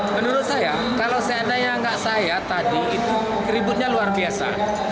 menurut saya kalau seandainya enggak saya tadi itu keributnya luar biasa